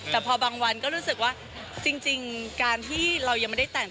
แต่พอบางวันก็รู้สึกว่าจริงการที่เรายังไม่ได้แต่ง